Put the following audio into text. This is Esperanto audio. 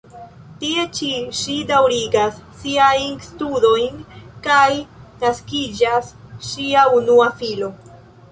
Tie ĉi ŝi daŭrigas siajn studojn kaj naskiĝas ŝia unua filo.